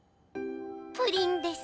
プリンです。